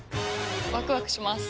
ワクワクします。